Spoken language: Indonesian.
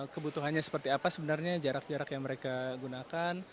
kebutuhannya seperti apa sebenarnya jarak jarak yang mereka gunakan